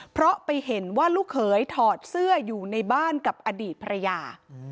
เพราะไปเห็นว่าลูกเขยถอดเสื้ออยู่ในบ้านกับอดีตภรรยา